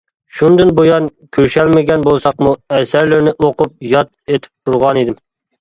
شۇندىن بۇيان كۆرۈشەلمىگەن بولساقمۇ، ئەسەرلىرىنى ئوقۇپ، ياد ئېتىپ تۇرغانىدىم.